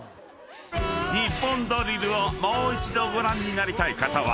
［『ニッポンドリル』をもう一度ご覧になりたい方はＴＶｅｒで］